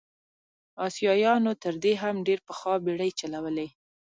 اسیایانو تر دې هم ډېر پخوا بېړۍ چلولې.